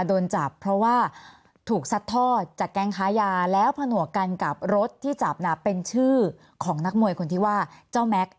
โดนจับเพราะว่าถูกซัดทอดจากแก๊งค้ายาแล้วผนวกกันกับรถที่จับน่ะเป็นชื่อของนักมวยคนที่ว่าเจ้าแม็กซ์